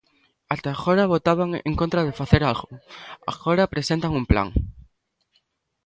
Ata agora votaban en contra de facer algo, agora presentan un plan.